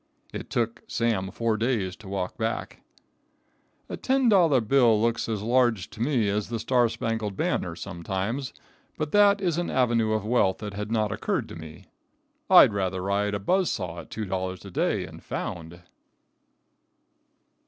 It took Sam four days to walk back. A ten dollar bill looks as large to me as the star spangled banner, some times; but that is an avenue of wealth that had not occurred to me. I'd rather ride a buzz saw at two dollars a day and found.